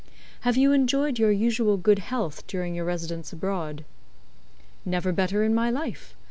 "Have you enjoyed your usual good health during your residence abroad?" "Never better in my life.